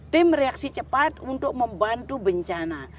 tim reaksi cepat untuk membantu bencana